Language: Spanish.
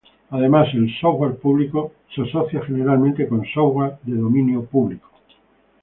Además, el ""software" público" se asocia generalmente con "software" de dominio público.